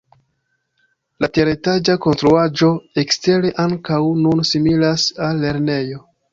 La teretaĝa konstruaĵo ekstere ankaŭ nun similas al lernejo.